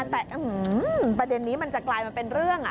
แต่ประเด็นนี้มันจะกลายมาเป็นเรื่อง